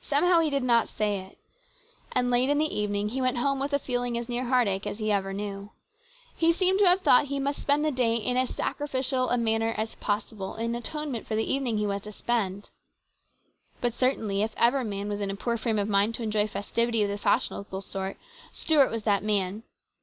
Somehow he did not say it. And late in the evening he went home with a feeling as near heartache as he ever knew. He seemed to have thought he must spend the day in as sacrificial and helpful a manner as possible, in atonement for the evening he was to spend. But certainly, if ever man was in a poor frame of mind to enjoy festivity of the fashionable sort, Stuart was that man.